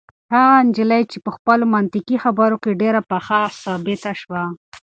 هغه نجلۍ په خپلو منطقي خبرو کې ډېره پخه ثابته شوه.